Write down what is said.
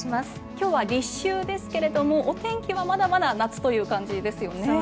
今日は立秋ですけれどもお天気はまだまだ夏という感じですよね。